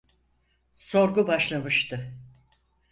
Sorgu başlamıştı.